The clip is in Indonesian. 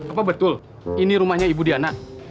apa betul ini rumahnya ibu diana